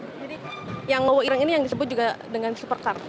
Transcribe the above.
jadi yang lowe earing ini yang disebut juga dengan supercar